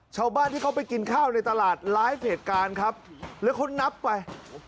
ชาวบ้านที่เขาไปกินข้าวในตลาดไลฟ์เหตุการณ์ครับแล้วเขานับไป